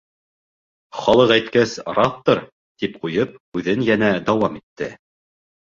— Халыҡ әйткәс, раҫтыр, — тип ҡуйып, һүҙен йәнә дауам итте.